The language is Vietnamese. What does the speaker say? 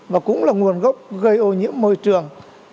và cũng là nguồn gốc gây ô nhiễm môi trường